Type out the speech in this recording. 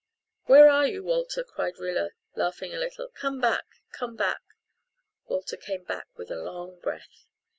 "Where are you, Walter," cried Rilla, laughing a little. "Come back come back." Walter came back with a long breath.